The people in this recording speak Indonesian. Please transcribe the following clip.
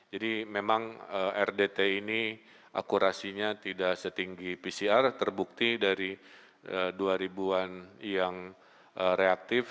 jadi memang rdt ini akurasinya tidak setinggi pcr terbukti dari dua ribuan yang reaktif